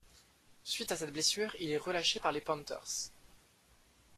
Suite à cette blessure, il est relâché par les Panthers.